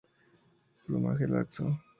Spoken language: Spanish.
Plumaje laxo.